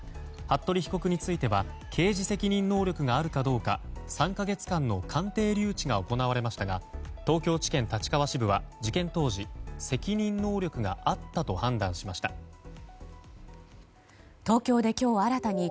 服部被告については刑事責任能力があるかどうか３か月間の鑑定留置が行われましたが東京地検立川支部は事件当時責任能力があったと判断しました。